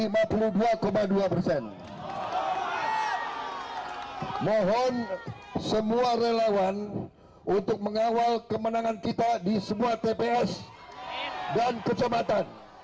mohon semua relawan untuk mengawal kemenangan kita di semua tps dan kecamatan